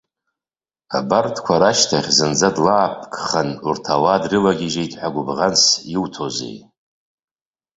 Абарҭқәа рышьҭахь зынӡа длаапкхан урҭ ауаа дрылагьежьит ҳәа гәыбӷанс иуҭозеи?